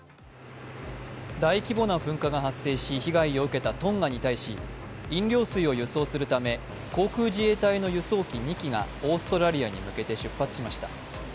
大規模な噴火が発生し、被害を受けたトンガに対し、航空自衛隊の輸送機２機がオーストラリアに向けて出発しました。